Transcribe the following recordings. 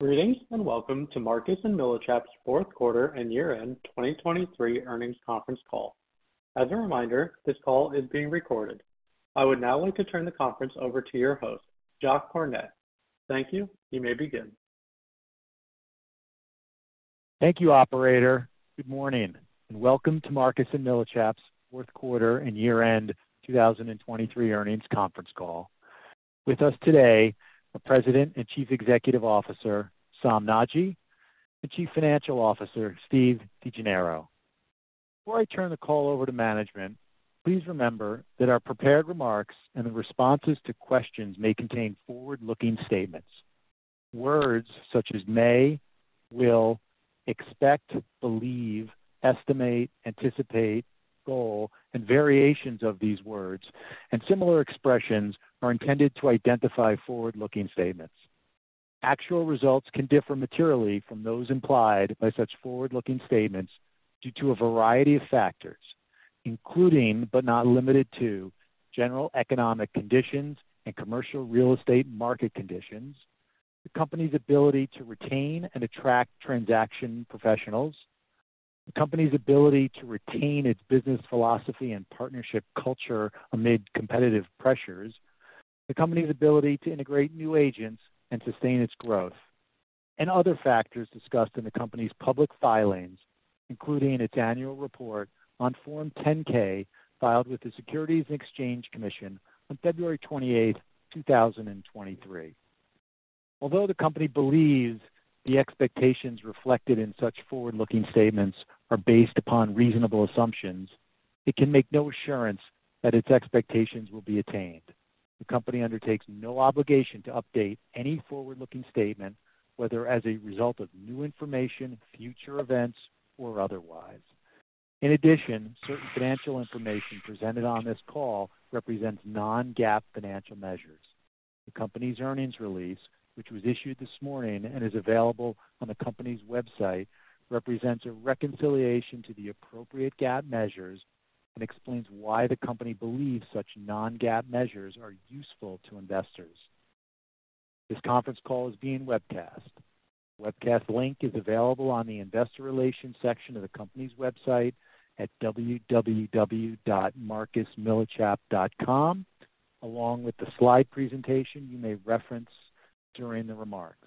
Greetings, and welcome to Marcus & Millichap's fourth quarter and year-end 2023 earnings conference call. As a reminder, this call is being recorded. I would now like to turn the conference over to your host, Jacques Cornet. Thank you. You may begin. Thank you, operator. Good morning, and welcome to Marcus & Millichap's fourth quarter and year-end 2023 earnings conference call. With us today, our President and Chief Executive Officer, Hessam Nadji, and Chief Financial Officer, Steve DeGennaro. Before I turn the call over to management, please remember that our prepared remarks and the responses to questions may contain forward-looking statements. Words such as may, will, expect, believe, estimate, anticipate, goal, and variations of these words, and similar expressions are intended to identify forward-looking statements. Actual results can differ materially from those implied by such forward-looking statements due to a variety of factors, including, but not limited to general economic conditions and commercial real estate market conditions, the company's ability to retain and attract transaction professionals, the company's ability to retain its business, philosophy, and partnership culture amid competitive pressures, the company's ability to integrate new agents and sustain its growth, and other factors discussed in the company's public filings, including its annual report on Form 10-K, filed with the Securities and Exchange Commission on February 28, 2023. Although the company believes the expectations reflected in such forward-looking statements are based upon reasonable assumptions, it can make no assurance that its expectations will be attained. The company undertakes no obligation to update any forward-looking statement, whether as a result of new information, future events, or otherwise. In addition, certain financial information presented on this call represents non-GAAP financial measures. The company's earnings release, which was issued this morning and is available on the company's website, represents a reconciliation to the appropriate GAAP measures and explains why the company believes such non-GAAP measures are useful to investors. This conference call is being webcast. The webcast link is available on the Investor Relations section of the company's website at www.marcusmillichap.com, along with the slide presentation you may reference during the remarks.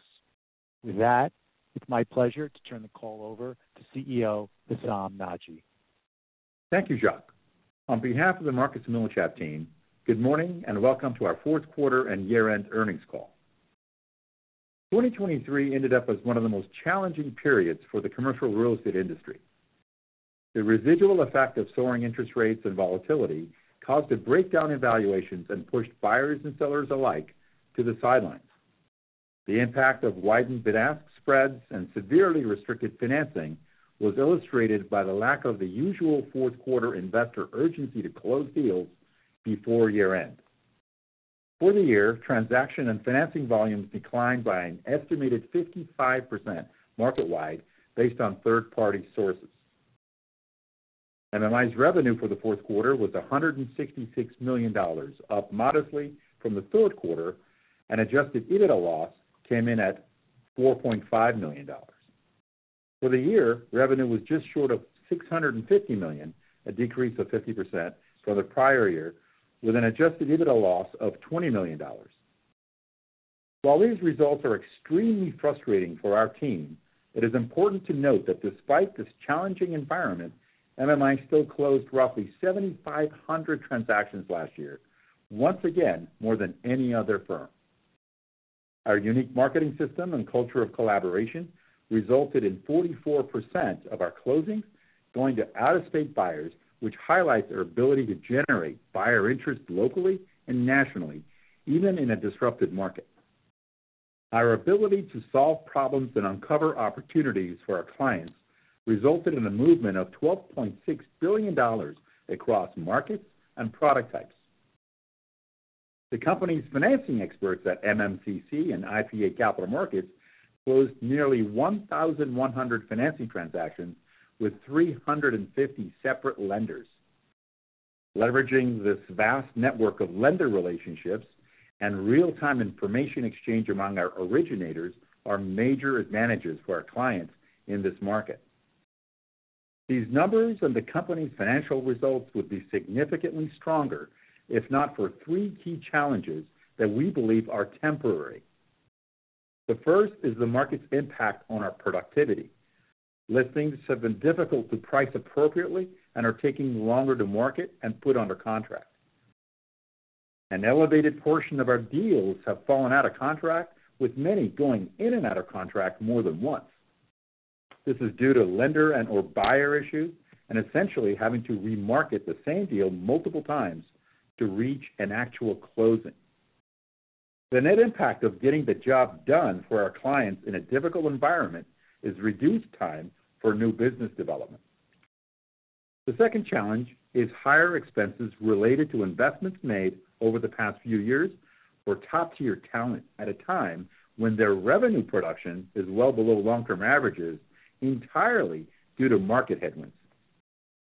With that, it's my pleasure to turn the call over to CEO Hessam Nadji. Thank you, Jacques. On behalf of the Marcus & Millichap team, good morning and welcome to our fourth quarter and year-end earnings call. 2023 ended up as one of the most challenging periods for the commercial real estate industry. The residual effect of soaring interest rates and volatility caused a breakdown in valuations and pushed buyers and sellers alike to the sidelines. The impact of widened bid-ask spreads and severely restricted financing was illustrated by the lack of the usual fourth quarter investor urgency to close deals before year-end. For the year, transaction and financing volumes declined by an estimated 55% market-wide, based on third-party sources. MMI's revenue for the fourth quarter was $166 million, up modestly from the third quarter, and adjusted EBITDA loss came in at $4.5 million. For the year, revenue was just short of $650 million, a decrease of 50% from the prior year, with an adjusted EBITDA loss of $20 million. While these results are extremely frustrating for our team, it is important to note that despite this challenging environment, MMI still closed roughly 7,500 transactions last year, once again, more than any other firm. Our unique marketing system and culture of collaboration resulted in 44% of our closings going to out-of-state buyers, which highlights our ability to generate buyer interest locally and nationally, even in a disrupted market. Our ability to solve problems and uncover opportunities for our clients resulted in a movement of $12.6 billion across markets and product types. The company's financing experts at MMCC and IPA Capital Markets closed nearly 1,100 financing transactions with 350 separate lenders. Leveraging this vast network of lender relationships and real-time information exchange among our originators are major advantages for our clients in this market. These numbers and the company's financial results would be significantly stronger if not for three key challenges that we believe are temporary. The first is the market's impact on our productivity. Listings have been difficult to price appropriately and are taking longer to market and put under contract. An elevated portion of our deals have fallen out of contract, with many going in and out of contract more than once. This is due to lender and/or buyer issues and essentially having to remarket the same deal multiple times to reach an actual closing. The net impact of getting the job done for our clients in a difficult environment is reduced time for new business development. The second challenge is higher expenses related to investments made over the past few years for top-tier talent at a time when their revenue production is well below long-term averages, entirely due to market headwinds.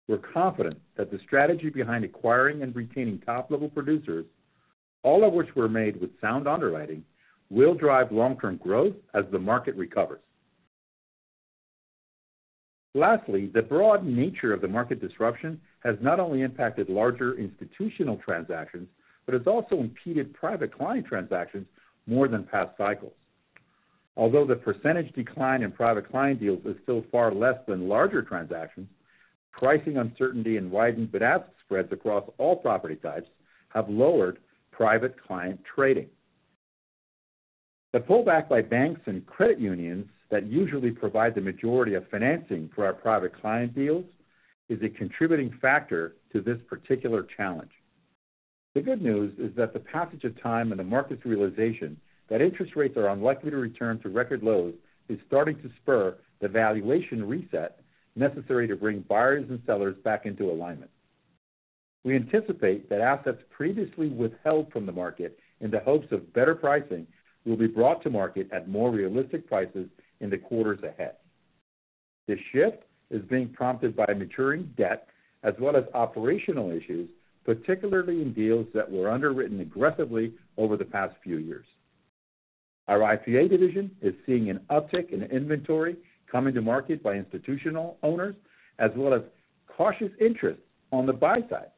We're confident that the strategy behind acquiring and retaining top-level producers, all of which were made with sound underwriting, will drive long-term growth as the market recovers. Lastly, the broad nature of the market disruption has not only impacted larger institutional transactions, but has also impeded Private Client transactions more than past cycles. Although the percentage decline in Private Client deals is still far less than larger transactions, pricing uncertainty and widened bid-ask spreads across all property types have lowered Private Client trading. The pullback by banks and credit unions that usually provide the majority of financing for our Private Client deals is a contributing factor to this particular challenge. The good news is that the passage of time and the market's realization that interest rates are unlikely to return to record lows is starting to spur the valuation reset necessary to bring buyers and sellers back into alignment. We anticipate that assets previously withheld from the market in the hopes of better pricing, will be brought to market at more realistic prices in the quarters ahead. This shift is being prompted by maturing debt as well as operational issues, particularly in deals that were underwritten aggressively over the past few years. Our IPA division is seeing an uptick in inventory coming to market by institutional owners, as well as cautious interest on the buy side.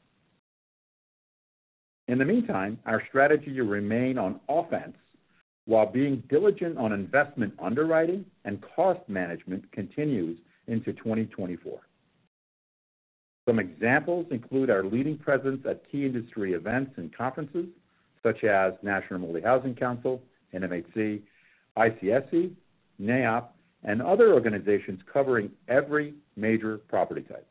In the meantime, our strategy to remain on offense while being diligent on investment underwriting and cost management continues into 2024. Some examples include our leading presence at key industry events and conferences, such as National Multifamily Housing Council, NMHC, ICSC, NAIOP, and other organizations covering every major property type.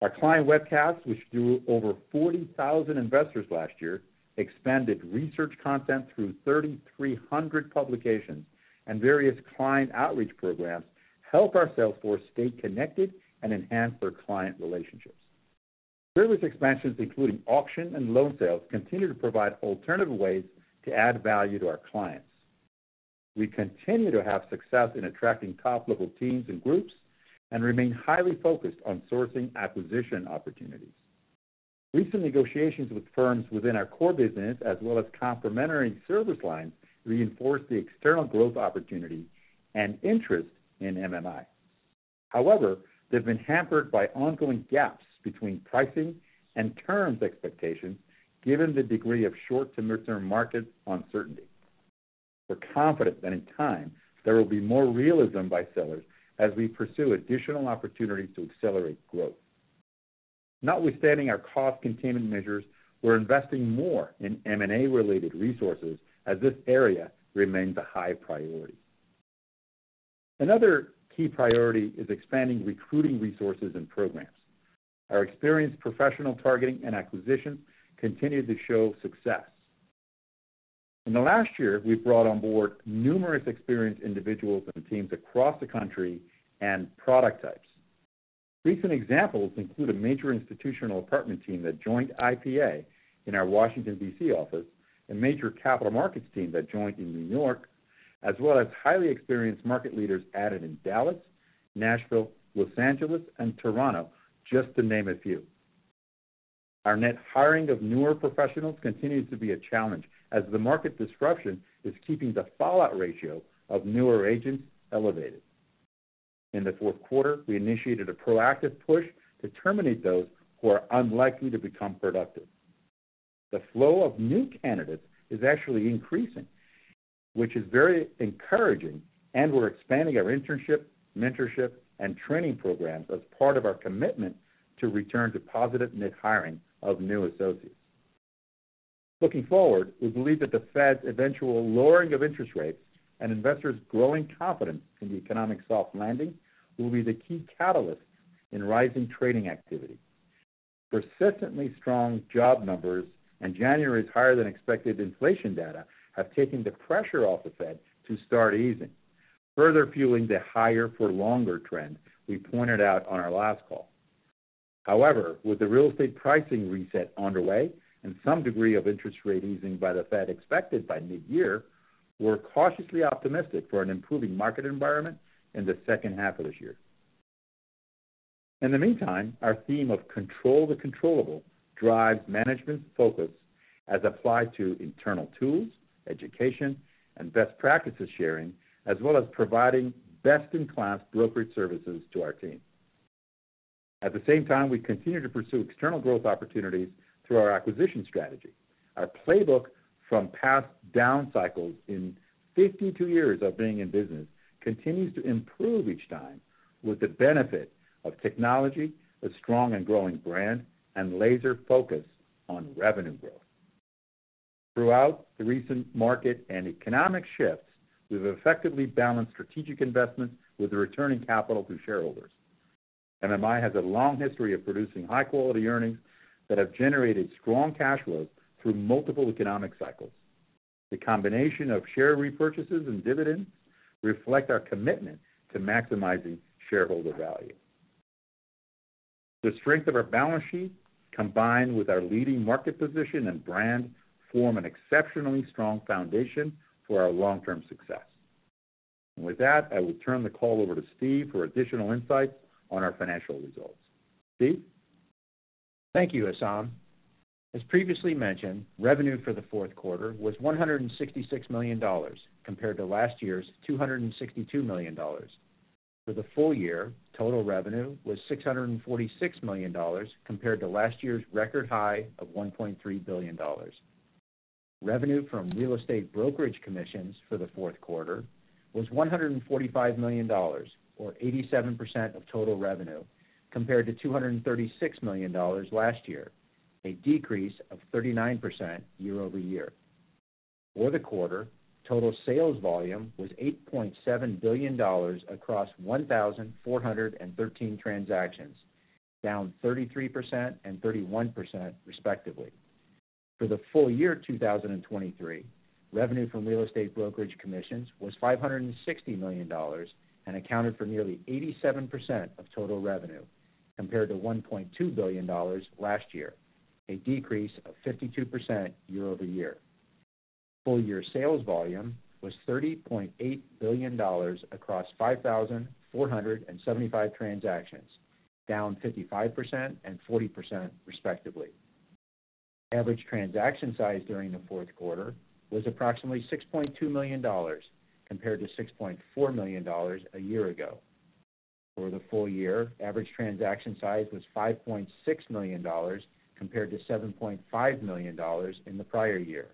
Our client webcasts, which drew over 40,000 investors last year, expanded research content through 3,300 publications and various client outreach programs, help our sales force stay connected and enhance their client relationships. Service expansions, including auction and loan sales, continue to provide alternative ways to add value to our clients. We continue to have success in attracting top-level teams and groups, and remain highly focused on sourcing acquisition opportunities. Recent negotiations with firms within our core business, as well as complementary service lines, reinforce the external growth opportunity and interest in MMI. However, they've been hampered by ongoing gaps between pricing and terms expectations, given the degree of short- to mid-term market uncertainty. We're confident that in time, there will be more realism by sellers as we pursue additional opportunities to accelerate growth. Notwithstanding our cost containment measures, we're investing more in M&A-related resources, as this area remains a high priority. Another key priority is expanding recruiting resources and programs. Our experienced professional targeting and acquisition continue to show success. In the last year, we've brought on board numerous experienced individuals and teams across the country and product types. Recent examples include a major institutional apartment team that joined IPA in our Washington, D.C. office, a major capital markets team that joined in New York, as well as highly experienced market leaders added in Dallas, Nashville, Los Angeles, and Toronto, just to name a few. Our net hiring of newer professionals continues to be a challenge as the market disruption is keeping the fallout ratio of newer agents elevated. In the fourth quarter, we initiated a proactive push to terminate those who are unlikely to become productive. The flow of new candidates is actually increasing, which is very encouraging, and we're expanding our internship, mentorship, and training programs as part of our commitment to return to positive net hiring of new associates. Looking forward, we believe that the Fed's eventual lowering of interest rates and investors' growing confidence in the economic soft landing will be the key catalyst in rising trading activity. Persistently strong job numbers and January's higher-than-expected inflation data have taken the pressure off the Fed to start easing, further fueling the higher-for-longer trend we pointed out on our last call. However, with the real estate pricing reset underway and some degree of interest rate easing by the Fed expected by mid-year, we're cautiously optimistic for an improving market environment in the second half of this year. In the meantime, our theme of control the controllable drives management's focus as applied to internal tools, education, and best practices sharing, as well as providing best-in-class brokerage services to our team. At the same time, we continue to pursue external growth opportunities through our acquisition strategy. Our playbook from past down cycles in 52 years of being in business continues to improve each time, with the benefit of technology, a strong and growing brand, and laser focus on revenue growth. Throughout the recent market and economic shifts, we've effectively balanced strategic investments with returning capital to shareholders. MMI has a long history of producing high-quality earnings that have generated strong cash flow through multiple economic cycles. The combination of share repurchases and dividends reflect our commitment to maximizing shareholder value. The strength of our balance sheet, combined with our leading market position and brand, form an exceptionally strong foundation for our long-term success. With that, I will turn the call over to Steve for additional insights on our financial results. Steve? Thank you, Hessam. As previously mentioned, revenue for the fourth quarter was $166 million, compared to last year's $262 million. For the full year, total revenue was $646 million, compared to last year's record high of $1.3 billion. Revenue from real estate brokerage commissions for the fourth quarter was $145 million, or 87% of total revenue, compared to $236 million last year, a decrease of 39% year-over-year. For the quarter, total sales volume was $8.7 billion across 1,413 transactions, down 33% and 31% respectively. For the full year of 2023, revenue from real estate brokerage commissions was $560 million and accounted for nearly 87% of total revenue, compared to $1.2 billion last year, a decrease of 52% year-over-year. Full year sales volume was $30.8 billion across 5,475 transactions, down 55% and 40% respectively. Average transaction size during the fourth quarter was approximately $6.2 million, compared to $6.4 million a year ago. For the full year, average transaction size was $5.6 million, compared to $7.5 million in the prior year.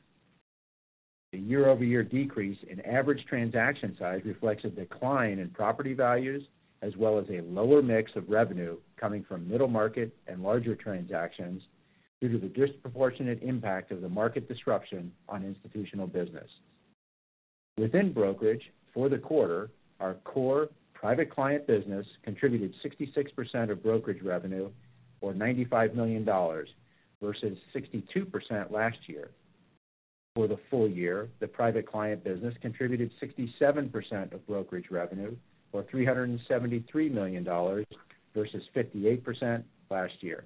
The year-over-year decrease in average transaction size reflects a decline in property values, as well as a lower mix of revenue coming from middle market and larger transactions due to the disproportionate impact of the market disruption on institutional business. Within brokerage, for the quarter, our core Private Client business contributed 66% of brokerage revenue, or $95 million, versus 62% last year. For the full year, the Private Client business contributed 67% of brokerage revenue, or $373 million, versus 58% last year.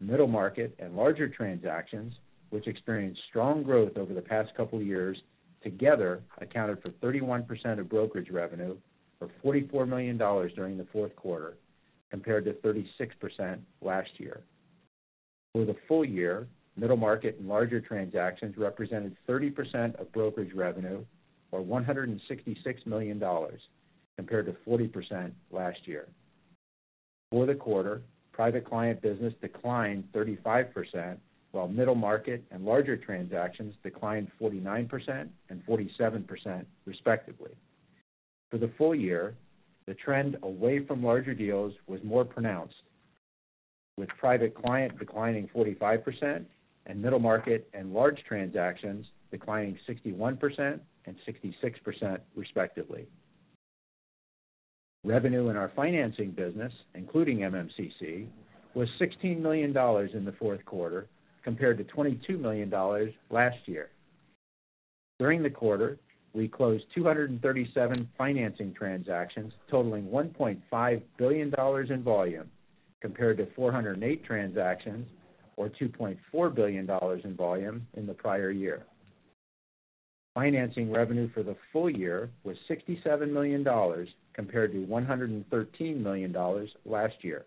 Middle market and larger transactions, which experienced strong growth over the past couple of years, together accounted for 31% of brokerage revenue, or $44 million during the fourth quarter, compared to 36% last year. For the full year, middle market and larger transactions represented 30% of brokerage revenue, or $166 million, compared to 40% last year. For the quarter, Private Client business declined 35%, while middle market and larger transactions declined 49% and 47%, respectively. For the full year, the trend away from larger deals was more pronounced, with Private Client declining 45% and middle market and large transactions declining 61% and 66%, respectively. Revenue in our financing business, including MMCC, was $16 million in the fourth quarter, compared to $22 million last year. During the quarter, we closed 237 financing transactions totaling $1.5 billion in volume, compared to 408 transactions, or $2.4 billion in volume in the prior year. Financing revenue for the full year was $67 million, compared to $113 million last year.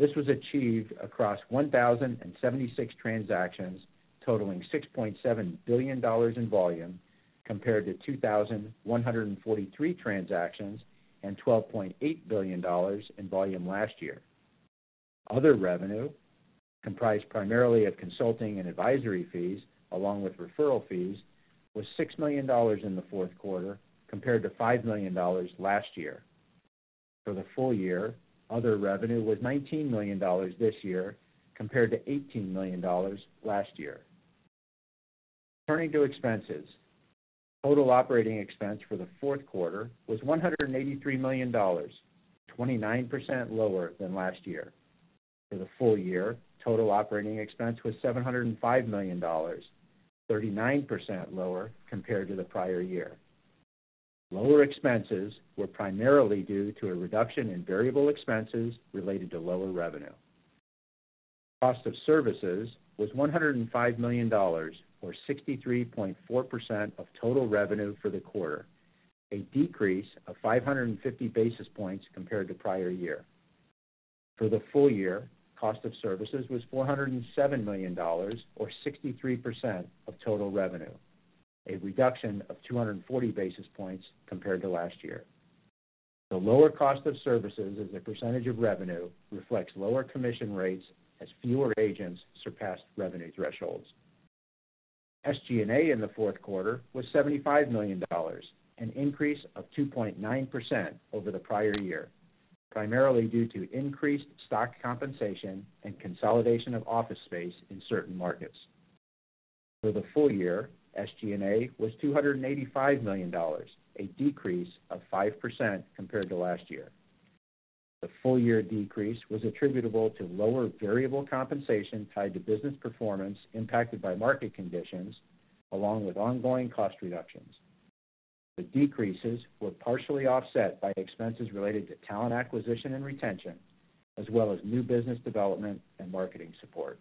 This was achieved across 1,076 transactions totaling $6.7 billion in volume, compared to 2,143 transactions and $12.8 billion in volume last year. Other revenue, comprised primarily of consulting and advisory fees, along with referral fees, was $6 million in the fourth quarter, compared to $5 million last year. For the full year, other revenue was $19 million this year, compared to $18 million last year. Turning to expenses. Total operating expense for the fourth quarter was $183 million, 29% lower than last year. For the full year, total operating expense was $705 million, 39% lower compared to the prior year. Lower expenses were primarily due to a reduction in variable expenses related to lower revenue. Cost of services was $105 million, or 63.4% of total revenue for the quarter, a decrease of 550 basis points compared to prior year. For the full year, cost of services was $407 million, or 63% of total revenue, a reduction of 240 basis points compared to last year. The lower cost of services as a percentage of revenue reflects lower commission rates as fewer agents surpassed revenue thresholds. SG&A in the fourth quarter was $75 million, an increase of 2.9% over the prior year, primarily due to increased stock compensation and consolidation of office space in certain markets. For the full year, SG&A was $285 million, a decrease of 5% compared to last year. The full-year decrease was attributable to lower variable compensation tied to business performance impacted by market conditions, along with ongoing cost reductions. The decreases were partially offset by expenses related to talent acquisition and retention, as well as new business development and marketing support.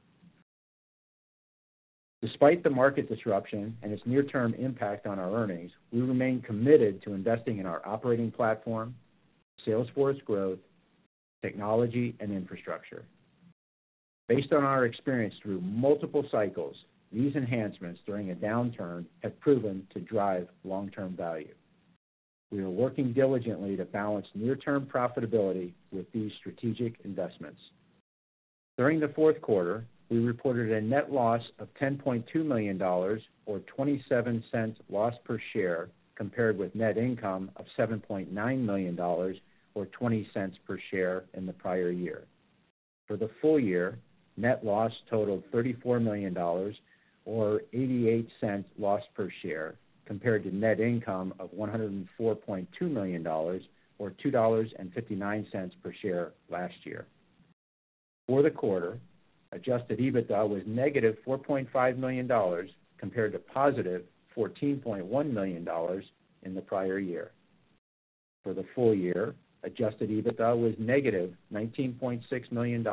Despite the market disruption and its near-term impact on our earnings, we remain committed to investing in our operating platform, sales force growth, technology, and infrastructure. Based on our experience through multiple cycles, these enhancements during a downturn have proven to drive long-term value. We are working diligently to balance near-term profitability with these strategic investments. During the fourth quarter, we reported a net loss of $10.2 million, or $0.27 loss per share, compared with net income of $7.9 million, or $0.20 per share in the prior year. For the full year, net loss totaled $34 million, or $0.88 loss per share, compared to net income of $104.2 million, or $2.59 per share last year. For the quarter, adjusted EBITDA was negative $4.5 million, compared to positive $14.1 million in the prior year. For the full year, adjusted EBITDA was negative $19.6 million,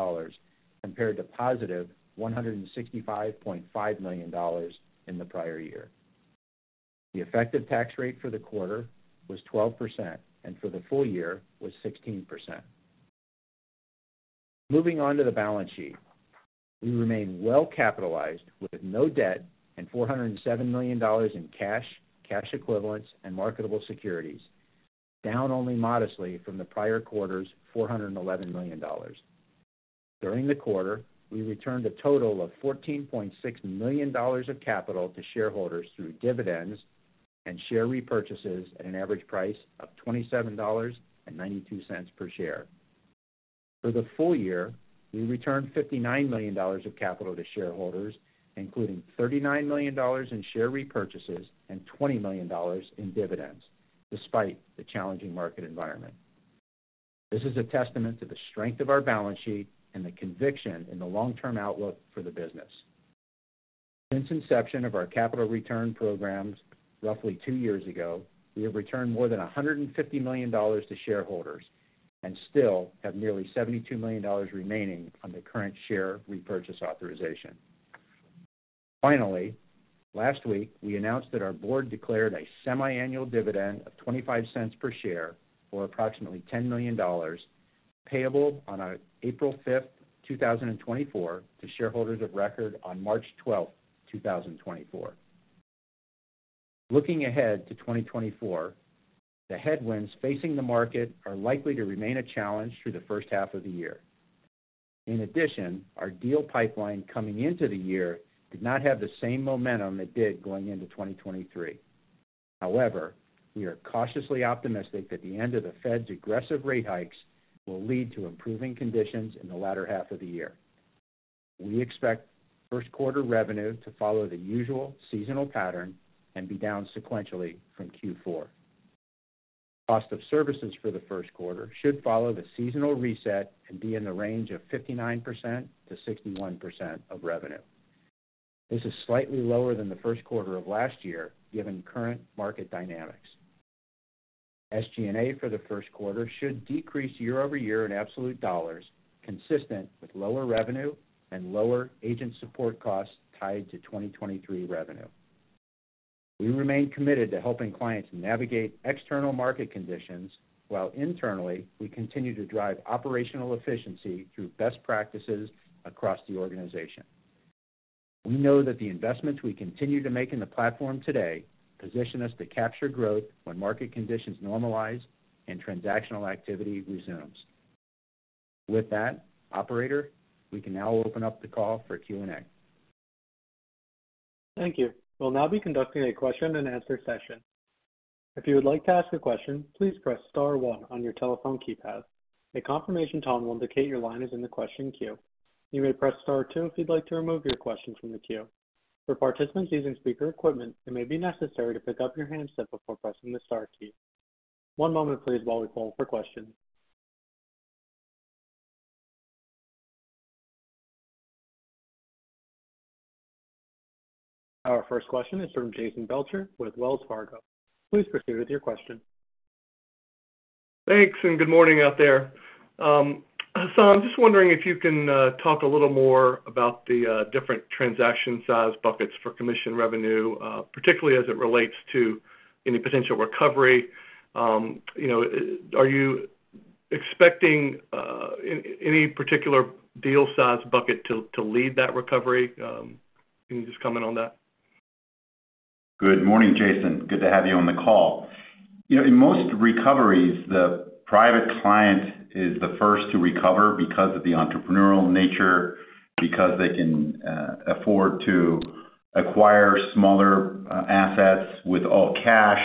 compared to positive $165.5 million in the prior year. The effective tax rate for the quarter was 12%, and for the full year was 16%. Moving on to the balance sheet. We remain well capitalized, with no debt and $407 million in cash, cash equivalents, and marketable securities, down only modestly from the prior quarter's $411 million. During the quarter, we returned a total of $14.6 million of capital to shareholders through dividends and share repurchases at an average price of $27.92 per share. For the full year, we returned $59 million of capital to shareholders, including $39 million in share repurchases and $20 million in dividends, despite the challenging market environment. This is a testament to the strength of our balance sheet and the conviction in the long-term outlook for the business. Since inception of our capital return programs, roughly two years ago, we have returned more than $150 million to shareholders and still have nearly $72 million remaining on the current share repurchase authorization. Finally, last week, we announced that our board declared a semiannual dividend of $0.25 per share, or approximately $10 million, payable on April 5th, 2024, to shareholders of record on March 12th, 2024. Looking ahead to 2024, the headwinds facing the market are likely to remain a challenge through the first half of the year. In addition, our deal pipeline coming into the year did not have the same momentum it did going into 2023. However, we are cautiously optimistic that the end of the Fed's aggressive rate hikes will lead to improving conditions in the latter half of the year. We expect first quarter revenue to follow the usual seasonal pattern and be down sequentially from Q4. Cost of services for the first quarter should follow the seasonal reset and be in the range of 59%-61% of revenue. This is slightly lower than the first quarter of last year, given current market dynamics. SG&A for the first quarter should decrease year-over-year in absolute dollars, consistent with lower revenue and lower agent support costs tied to 2023 revenue. We remain committed to helping clients navigate external market conditions, while internally, we continue to drive operational efficiency through best practices across the organization. We know that the investments we continue to make in the platform today, position us to capture growth when market conditions normalize and transactional activity resumes. With that, operator, we can now open up the call for Q&A. Thank you. We'll now be conducting a question-and-answer session. If you would like to ask a question, please press star one on your telephone keypad. A confirmation tone will indicate your line is in the question queue. You may press star two if you'd like to remove your question from the queue. For participants using speaker equipment, it may be necessary to pick up your handset before pressing the star key. One moment please while we poll for questions. Our first question is from Jason Belcher with Wells Fargo. Please proceed with your question. Thanks, and good morning out there. Hessam I'm just wondering if you can talk a little more about the different transaction size buckets for commission revenue, particularly as it relates to any potential recovery. You know, are you expecting any particular deal size bucket to lead that recovery? Can you just comment on that? Good morning, Jason. Good to have you on the call. You know, in most recoveries, the Private Client is the first to recover because of the entrepreneurial nature, because they can afford to acquire smaller assets with all cash,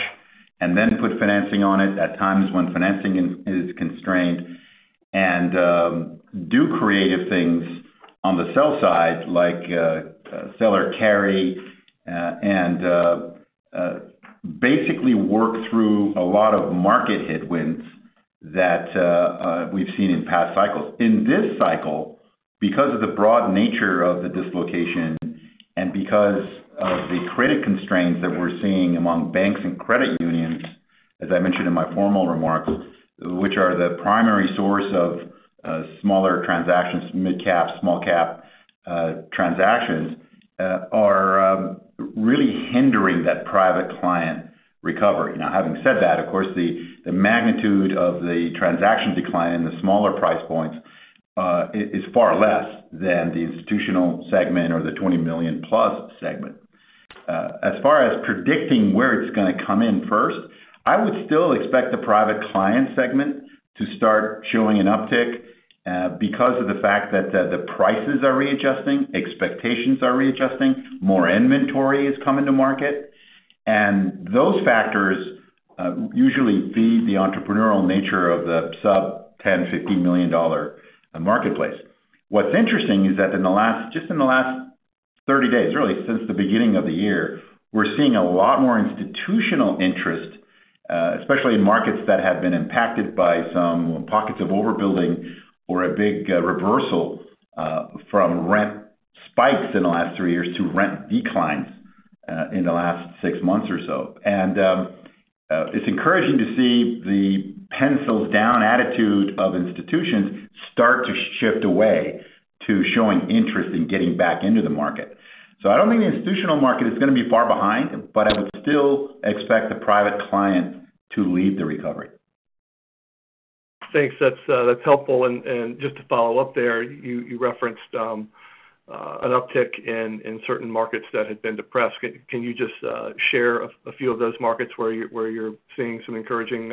and then put financing on it at times when financing is constrained, and do creative things on the sell side, like seller carry, and basically work through a lot of market headwinds that we've seen in past cycles. In this cycle, because of the broad nature of the dislocation and because of the credit constraints that we're seeing among banks and credit unions, As I mentioned in my formal remarks, which are the primary source of smaller transactions, mid-cap, small-cap transactions are really hindering that Private Client recovery. Now, having said that, of course, the magnitude of the transaction decline in the smaller price points is far less than the institutional segment or the $20 million+ segment. As far as predicting where it's gonna come in first, I would still expect the Private Client segment to start showing an uptick because of the fact that the prices are readjusting, expectations are readjusting, more inventory is coming to market. And those factors usually feed the entrepreneurial nature of the sub-$10 to $50 million dollar marketplace. What's interesting is that in the last just in the last 30 days, really, since the beginning of the year, we're seeing a lot more institutional interest, especially in markets that have been impacted by some pockets of overbuilding or a big reversal from rent spikes in the last three years to rent declines in the last six months or so. And it's encouraging to see the pencils-down attitude of institutions start to shift away to showing interest in getting back into the market. So I don't think the institutional market is gonna be far behind, but I would still expect the Private Client to lead the recovery. Thanks. That's helpful, and just to follow up there, you referenced an uptick in certain markets that had been depressed. Can you just share a few of those markets where you're seeing some encouraging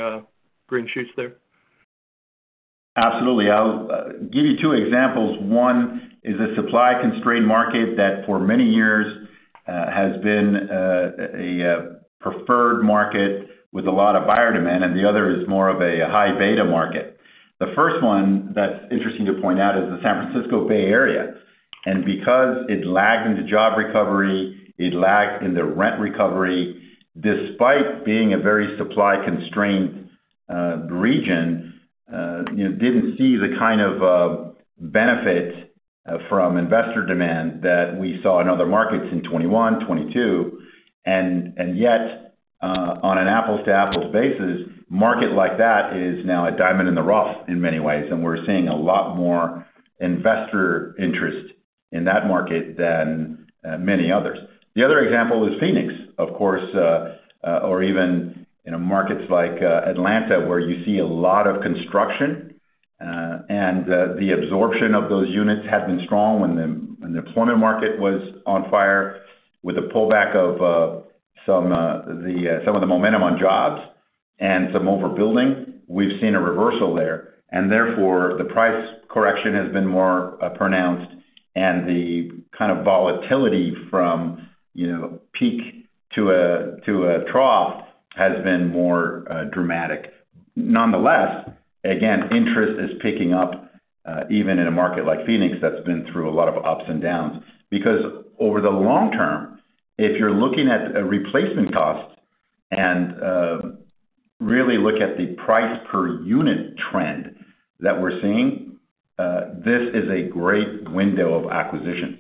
green shoots there? Absolutely. I'll give you two examples. One is a supply-constrained market that for many years has been a preferred market with a lot of buyer demand, and the other is more of a high beta market. The first one that's interesting to point out is the San Francisco Bay Area. Because it lagged in the job recovery, it lagged in the rent recovery, despite being a very supply-constrained region, you know, didn't see the kind of benefit from investor demand that we saw in other markets in 2021, 2022. And yet, on an apples-to-apples basis, market like that is now a diamond in the rough in many ways, and we're seeing a lot more investor interest in that market than many others. The other example is Phoenix, of course, or even, you know, markets like Atlanta, where you see a lot of construction, and the absorption of those units had been strong when the employment market was on fire. With the pullback of some of the momentum on jobs and some overbuilding, we've seen a reversal there, and therefore, the price correction has been more pronounced, and the kind of volatility from, you know, peak to a trough has been more dramatic. Nonetheless, again, interest is picking up, even in a market like Phoenix, that's been through a lot of ups and downs. Because over the long term, if you're looking at, replacement costs and, really look at the price per unit trend that we're seeing, this is a great window of acquisitions.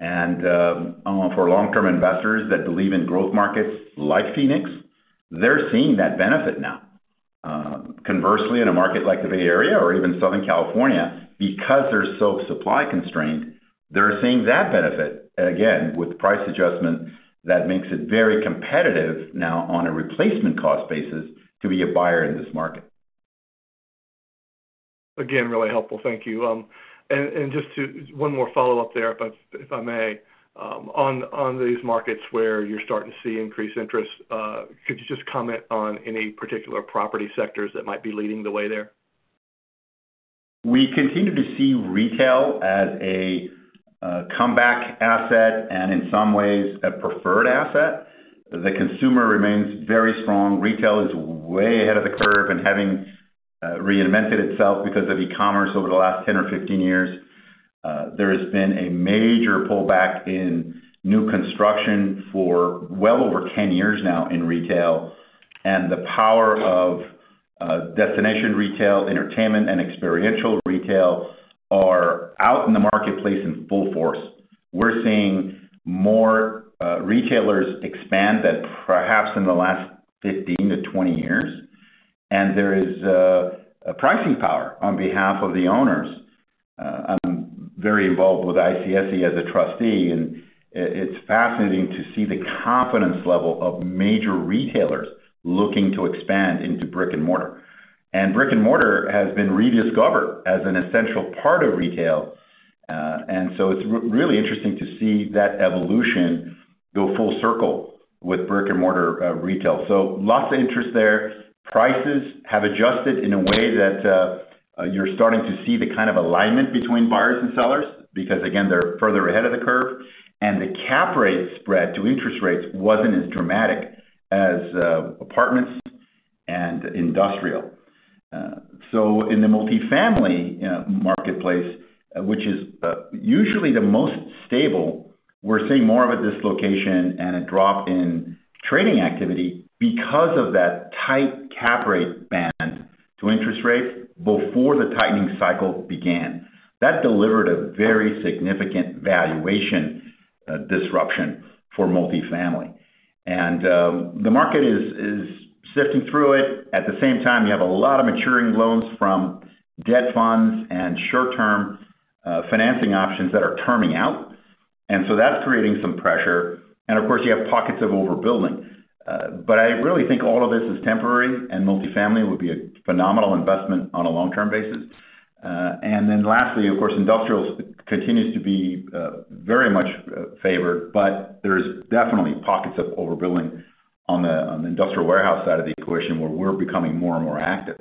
And, for long-term investors that believe in growth markets like Phoenix, they're seeing that benefit now. Conversely, in a market like the Bay Area or even Southern California, because they're so supply-constrained, they're seeing that benefit. And again, with price adjustment, that makes it very competitive now on a replacement cost basis to be a buyer in this market. Again, really helpful. Thank you. And just to—One more follow-up there, if I may. On these markets where you're starting to see increased interest, could you just comment on any particular property sectors that might be leading the way there? We continue to see retail as a, comeback asset and in some ways, a preferred asset. The consumer remains very strong. Retail is way ahead of the curve and having, reinvented itself because of e-commerce over the last 10 or 15 years. There has been a major pullback in new construction for well over 10 years now in retail, and the power of, destination retail, entertainment, and experiential retail are out in the marketplace in full force. We're seeing more, retailers expand than perhaps in the last 15 to 20 years, and there is, a pricing power on behalf of the owners. I'm very involved with ICSC as a trustee, and, it's fascinating to see the confidence level of major retailers looking to expand into brick-and-mortar. Brick-and-mortar has been rediscovered as an essential part of retail, and so it's really interesting to see that evolution go full circle with brick-and-mortar retail. So lots of interest there. Prices have adjusted in a way that you're starting to see the kind of alignment between buyers and sellers, because, again, they're further ahead of the curve, and the cap rate spread to interest rates wasn't as dramatic as apartments and industrial. So in the multifamily marketplace, which is usually the most stable, we're seeing more of a dislocation and a drop in trading activity because of that tight cap rate band to interest rates before the tightening cycle began. That delivered a very significant valuation. A disruption for multifamily. The market is sifting through it. At the same time, you have a lot of maturing loans from debt funds and short-term financing options that are terming out, and so that's creating some pressure. Of course, you have pockets of overbuilding. But I really think all of this is temporary, and multifamily will be a phenomenal investment on a long-term basis. Then lastly, of course, industrial continues to be very much favored, but there's definitely pockets of overbuilding on the industrial warehouse side of the equation, where we're becoming more and more active.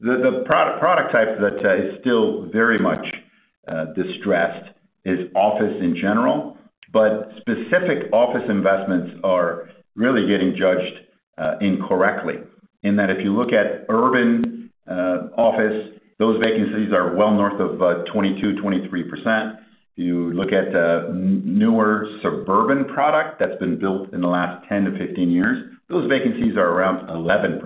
The product type that is still very much distressed is office in general, but specific office investments are really getting judged incorrectly, in that if you look at urban office, those vacancies are well north of about 22%-23%. If you look at newer suburban product that's been built in the last 10-15 years, those vacancies are around 11%.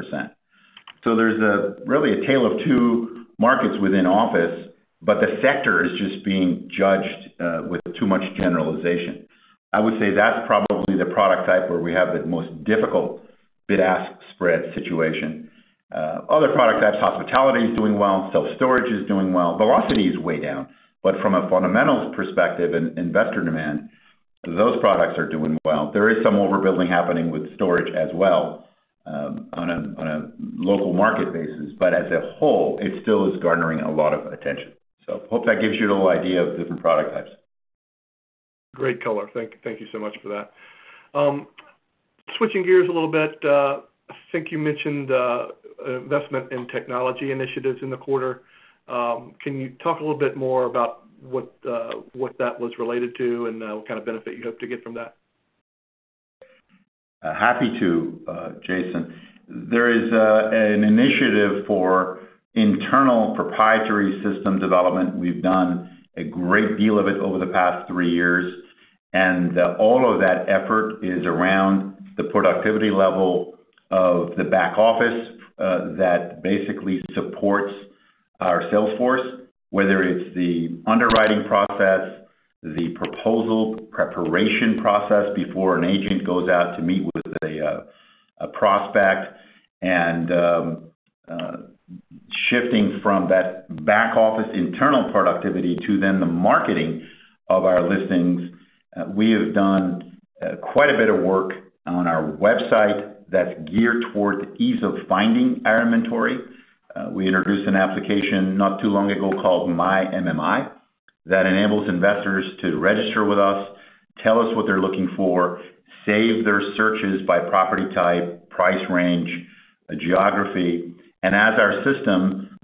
So there's a really, a tale of two markets within office, but the sector is just being judged with too much generalization. I would say that's probably the product type where we have the most difficult bid-ask spread situation. Other product types, hospitality is doing well, self-storage is doing well. Velocity is way down, but from a fundamentals perspective and investor demand, those products are doing well. There is some overbuilding happening with storage as well, on a local market basis, but as a whole, it still is garnering a lot of attention. So hope that gives you a little idea of the different product types. Great color. Thank, thank you so much for that. Switching gears a little bit, I think you mentioned investment in technology initiatives in the quarter. Can you talk a little bit more about what that was related to, and what kind of benefit you hope to get from that? Happy to, Jason. There is an initiative for internal proprietary system development. We've done a great deal of it over the past three years, and all of that effort is around the productivity level of the back office that basically supports our sales force. Whether it's the underwriting process, the proposal preparation process, before an agent goes out to meet with a prospect, and shifting from that back office internal productivity to then the marketing of our listings. We have done quite a bit of work on our website that's geared toward ease of finding our inventory. We introduced an application not too long ago called MyMMI that enables investors to register with us, tell us what they're looking for, save their searches by property type, price range, geography. As our system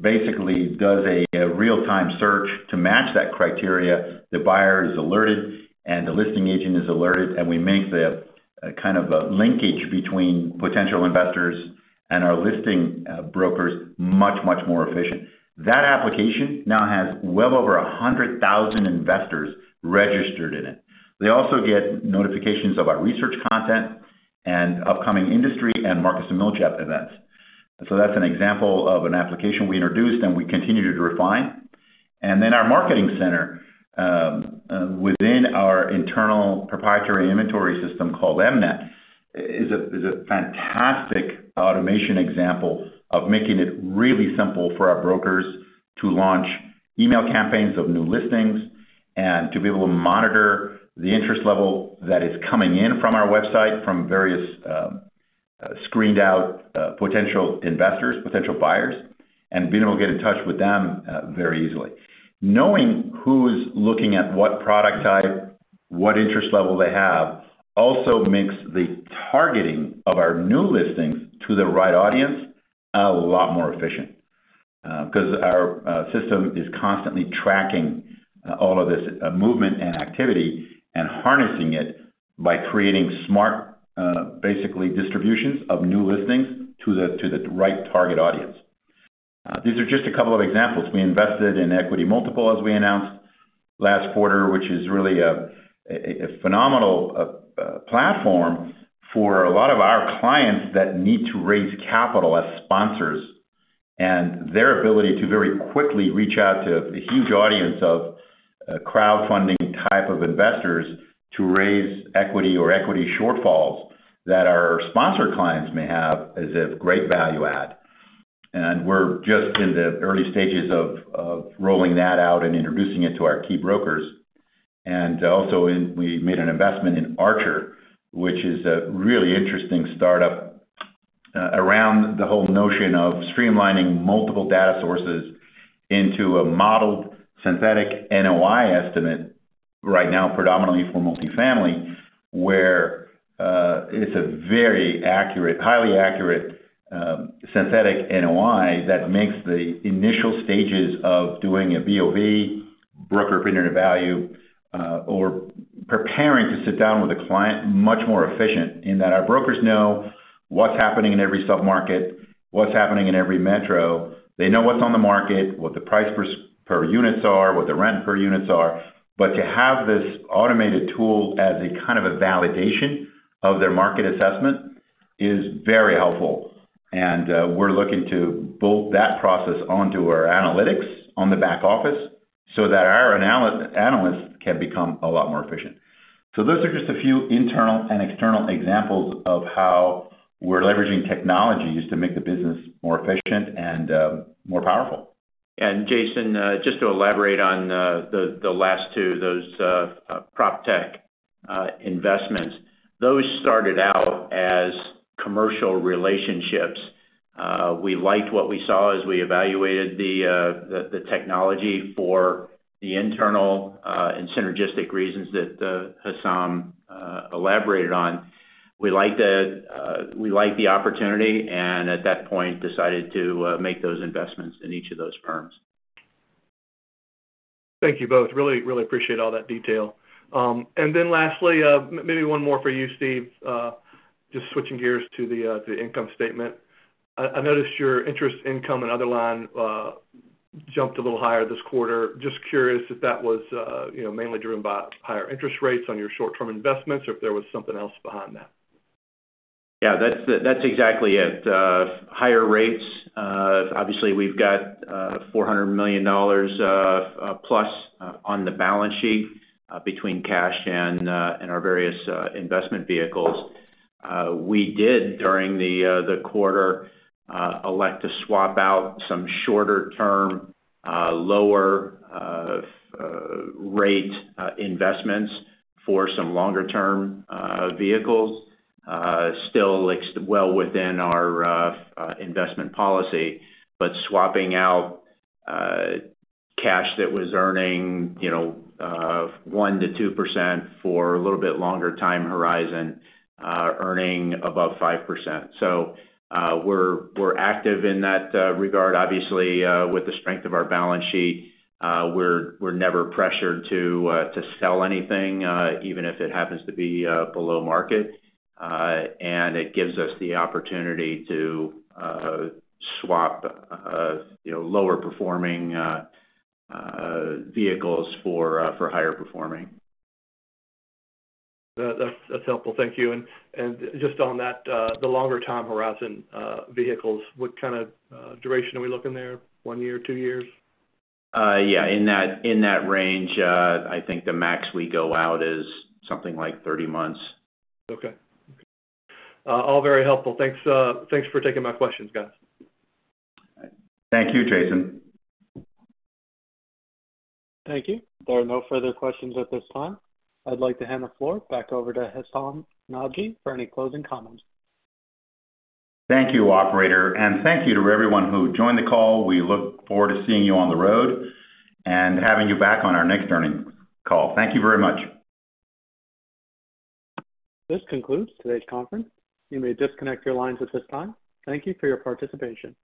basically does a real-time search to match that criteria, the buyer is alerted, and the listing agent is alerted, and we make the kind of a linkage between potential investors and our listing brokers much, much more efficient. That application now has well over 100,000 investors registered in it. They also get notifications of our research content and upcoming industry and Marcus & Millichap events. That's an example of an application we introduced, and we continue to refine. And then our marketing center, within our internal proprietary inventory system, called MNet, is a fantastic automation example of making it really simple for our brokers to launch email campaigns of new listings, and to be able to monitor the interest level that is coming in from our website, from various, screened out potential investors, potential buyers, and being able to get in touch with them, very easily. Knowing who is looking at what product type, what interest level they have, also makes the targeting of our new listings to the right audience, a lot more efficient. 'Cause our system is constantly tracking all of this movement and activity, and harnessing it by creating smart basically distributions of new listings to the right target audience. These are just a couple of examples. We invested in EquityMultiple, as we announced last quarter, which is really a phenomenal platform for a lot of our clients that need to raise capital as sponsors. And their ability to very quickly reach out to a huge audience of crowdfunding type of investors to raise equity or equity shortfalls, that our sponsor clients may have, is a great value add. And we're just in the early stages of rolling that out and introducing it to our key brokers. And, also, we made an investment in Archer, which is a really interesting startup, around the whole notion of streamlining multiple data sources into a modeled synthetic NOI estimate right now, predominantly for multifamily, where, it's a very accurate, highly accurate, synthetic NOI that makes the initial stages of doing a BOV, broker opinion of value, or preparing to sit down with a client, much more efficient, in that our brokers know what's happening in every sub-market, what's happening in every metro. They know what's on the market, what the price per units are, what the rent per units are. But to have this automated tool as a kind of a validation of their market assessment is very helpful, and we're looking to bolt that process onto our analytics on the back office so that our analysts can become a lot more efficient. So those are just a few internal and external examples of how we're leveraging technologies to make the business more efficient and more powerful. And Jason, just to elaborate on the last two, those proptech investments. Those started out as commercial relationships. We liked what we saw as we evaluated the technology for the internal and synergistic reasons that Hessam elaborated on. We liked it, we liked the opportunity, and at that point, decided to make those investments in each of those firms. Thank you both. Really, really appreciate all that detail. And then lastly, maybe one more for you, Steve. Just switching gears to the income statement. I noticed your interest income and other line jumped a little higher this quarter. Just curious if that was, you know, mainly driven by higher interest rates on your short-term investments, or if there was something else behind that? Yeah, that's, that's exactly it. Higher rates. Obviously, we've got $400 million+ on the balance sheet between cash and our various investment vehicles. We did, during the quarter, elect to swap out some shorter-term lower-rate investments for some longer-term vehicles. Still, like, well within our investment policy, but swapping out cash that was earning, you know, 1%-2% for a little bit longer time horizon earning above 5%. So, we're active in that regard. Obviously, with the strength of our balance sheet, we're never pressured to sell anything even if it happens to be below market. And it gives us the opportunity to swap, you know, lower performing vehicles for higher performing. That's helpful. Thank you. And just on that, the longer time horizon, vehicles, what kind of duration are we looking there? One year, two years? Yeah, in that, in that range. I think the max we go out is something like 30 months. Okay. All very helpful. Thanks, thanks for taking my questions, guys. Thank you, Jason. Thank you. There are no further questions at this time. I'd like to hand the floor back over to Hessam Nadji for any closing comments. Thank you, operator, and thank you to everyone who joined the call. We look forward to seeing you on the road and having you back on our next earnings call. Thank you very much. This concludes today's conference. You may disconnect your lines at this time. Thank you for your participation.